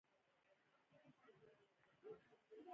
د نړیوال خطرناک جنګ وخت وو.